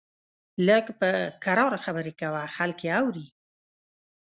لږ په کرار خبرې کوه، خلک يې اوري!